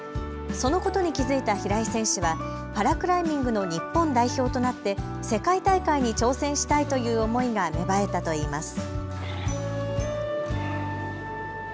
そのことに気付いた平井選手はパラクライミングの日本代表となって世界大会に挑戦したいという思いが芽生えたといいます。